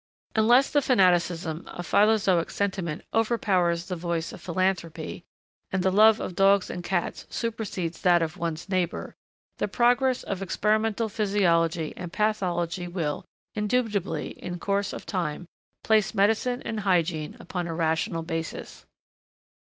Unless the fanaticism of philozoic sentiment overpowers the voice of philanthropy, and the love of dogs and cats supersedes that of one's neighbor, the progress of experimental physiology and pathology will, indubitably, in course of time, place medicine and hygiene upon a rational basis.